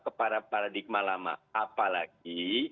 kepada paradigma lama apalagi